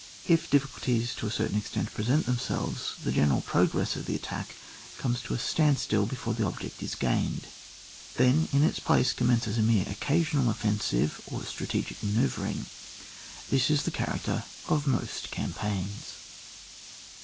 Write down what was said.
If difficul ties to a certain extent present themselves, the general progress of the attack comes to a standstill before the object is gained. Then in its place commences a mere occasional offensive or strategic ma nceuvring. This is the character of most campaigns.